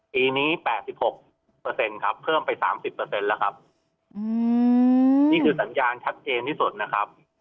ปีนี้๘๖ครับเพิ่มไป๓๐แล้วครับนี่คือสัญญาณชัดเจนที่สุดนะครับ